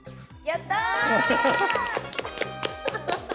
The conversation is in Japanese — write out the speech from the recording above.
やった！